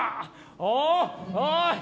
おおおい